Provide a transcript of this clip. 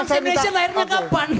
bangsa indonesia lahirnya kapan